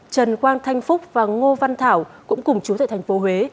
trần quang thanh phúc và ngô văn thảo cũng cùng chú tại tp huế